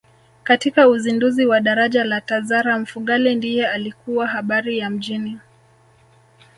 Katika uzinduzi wa daraja la Tazara Mfugale ndiye alikuwa habari ya mjini